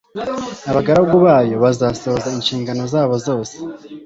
abagaragu bayo bazasohoza inshingano zabo zose